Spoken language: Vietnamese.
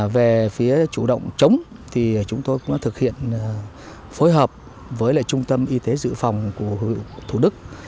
về phía chủ động chống thì chúng tôi cũng thực hiện phối hợp với trung tâm y tế dự phòng của thủ đức